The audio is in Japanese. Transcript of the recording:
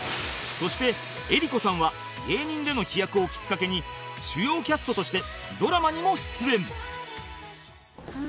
そして江里子さんは芸人での飛躍をきっかけに主要キャストとしてドラマにも出演